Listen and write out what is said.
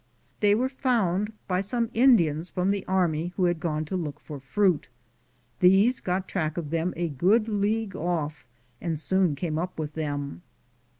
They were found by some Indians from the army who had gone to look for fruit. These got track of them a good league off, and soon came up with them.